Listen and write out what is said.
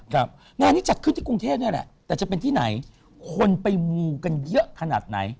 งานนี้จัดขึ้นที่กรุงเทพนี่แหละแต่จะเป็นที่ไหนคนไปมูกันเยอะขนาดไหน